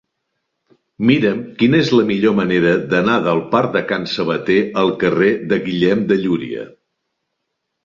Mira'm quina és la millor manera d'anar del parc de Can Sabater al carrer de Guillem de Llúria.